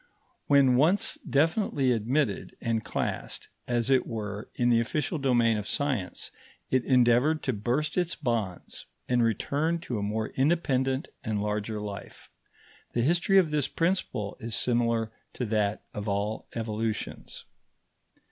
When once definitely admitted and classed, as it were, in the official domain of science, it endeavoured to burst its bonds and return to a more independent and larger life. The history of this principle is similar to that of all evolutions.